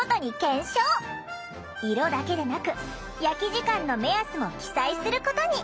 色だけでなく焼き時間の目安も記載することに！